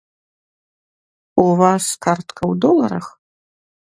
У вас картка ў доларах?